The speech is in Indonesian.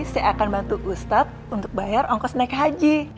saya akan bantu ustadz untuk bayar ongkos naik haji